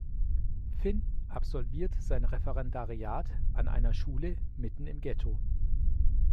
Finn absolviert sein Referendariat an einer Schule mitten im Getto.